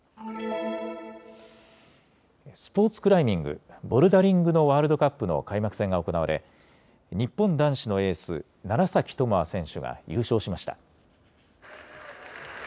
スポーツクライミング、ボルダリングのワールドカップの開幕戦が行われ日本男子のエース、楢崎智亜選手が優勝しました。